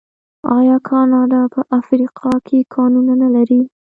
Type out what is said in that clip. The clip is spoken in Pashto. آیا کاناډا په افریقا کې کانونه نلري؟